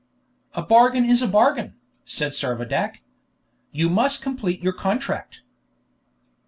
"A bargain is a bargain," said Servadac. "You must complete your contract."